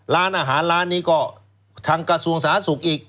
ร้านอาหารร้านนี้ก็ทางกระทรวงสาธารณสุขอีก